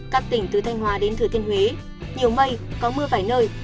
các tỉnh từ thanh hóa đến thừa thiên huế nhiều mây có mưa vài nơi